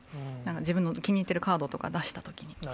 自分の気に入ってるカードとかを出したときに。